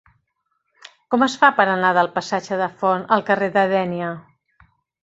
Com es fa per anar del passatge de Font al carrer de Dénia?